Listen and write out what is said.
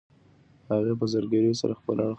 هغې په زګیروي سره خپل اړخ بدل کړ او بیا ویده شوه.